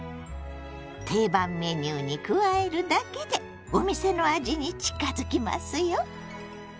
定番メニューに加えるだけでお店の味に近づきますよ！